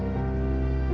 aku mau pergi